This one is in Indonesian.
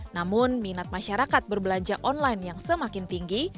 namun minat masyarakat berbelanja online yang semakin tinggi